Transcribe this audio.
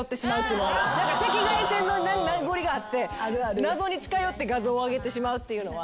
赤外線の名残があって謎に近寄って画像をあげてしまうっていうのは。